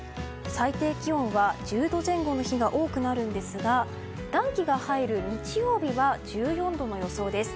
最低気温は１０度前後の日が多くなるんですが暖気が入る日曜日は１４度の予想です。